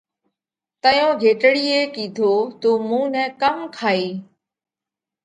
تئيون گھيٽڙيئہ ڪِيڌو: تُون مُون نئہ ڪم کائِيه؟